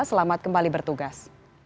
selamat kembali bertugas